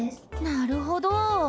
なるほど。